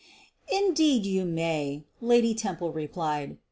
"Indeed you may," Lady Temple replied.